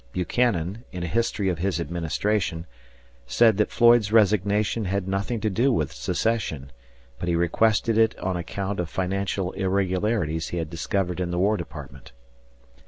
Buchanan, in a history of his administration, said that Floyd's resignation had nothing to do with secession, but he requested it on account of financial irregularities he had discovered in the War Department.